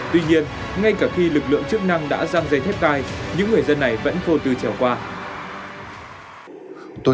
tuy nhiên ngay cả khi lực lượng chức năng đã giang dây thép cai những người dân này vẫn phô tư trèo qua